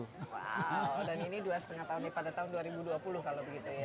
wow dan ini dua lima tahun ya pada tahun dua ribu dua puluh kalau begitu ya